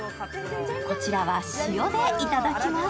こちらは塩でいただきます。